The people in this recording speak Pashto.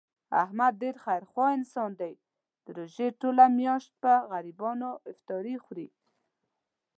احمد ډېر خیر خوا انسان دی، د روژې ټوله میاشت په غریبانو افطاري خوري.